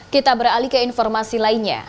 kita beralih ke informasi lainnya